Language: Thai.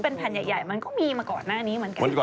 เป็นแผ่นใหญ่มันก็มีมาก่อนหน้านี้เหมือนกัน